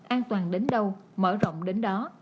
an toàn đến đâu mở rộng đến đó